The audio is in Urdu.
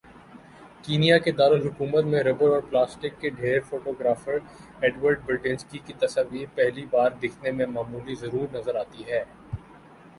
کینیا کے دارلحکومت میں ربڑ اور پلاسٹک کے ڈھیر فوٹو گرافر ایڈورڈ برٹینسکی کی تصاویر پہلی بار دکھنے میں معمولی ضرور نظر آتی ہیں